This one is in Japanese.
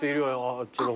あっちの方。